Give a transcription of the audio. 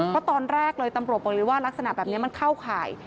เพราะตอนแรกเลยตำรวจบอกเลยว่ารักษณะแบบนี้มันเข้าข่าย